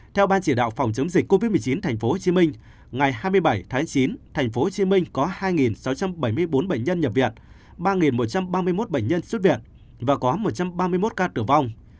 theo ban chỉ đạo phòng chống dịch covid một mươi chín tp hcm ngày hai mươi bảy tháng chín tp hcm có hai sáu trăm bảy mươi bốn bệnh nhân nhập viện ba một trăm ba mươi một bệnh nhân xuất viện và có một trăm ba mươi một ca tử vong